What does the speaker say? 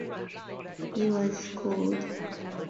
He was schooled in Ste.